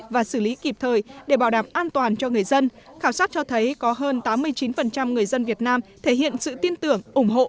và xử lý kịp thời để bảo đảm an toàn cho người dân khảo sát cho thấy có hơn tám mươi chín người dân việt nam thể hiện sự tin tưởng ủng hộ